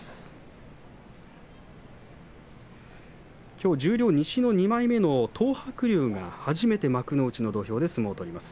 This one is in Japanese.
きょう十両西の２枚目の東白龍が初めて幕内の土俵を取ります。